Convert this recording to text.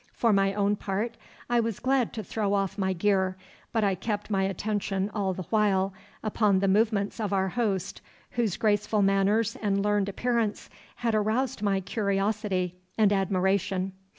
For my own part, I was glad to throw off my gear, but I kept my attention all the while upon the movements of our host, whose graceful manners and learned appearance had aroused my curiosity and admiration.